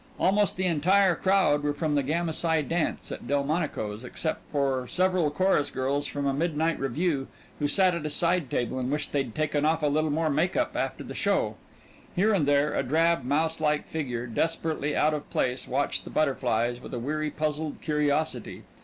Almost the entire crowd were from the Gamma Psi dance at Delmonico's except for several chorus girls from a midnight revue who sat at a side table and wished they'd taken off a little more make up after the show. Here and there a drab, mouse like figure, desperately out of place, watched the butterflies with a weary, puzzled curiosity.